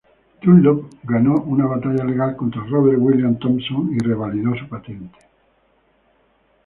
Dunlop ganó una batalla legal contra Robert William Thomson y revalidó su patente.